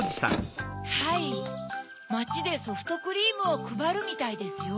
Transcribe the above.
はいまちでソフトクリームをくばるみたいですよ。